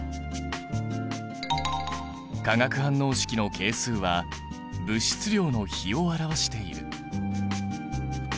化学反応式の係数は物質量の比を表している。